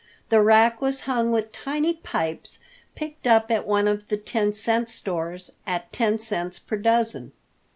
The rack was hung with tiny pipes picked up at one of the ten cent stores at ten cents per dozen.